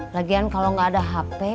lagian kalau nggak ada hp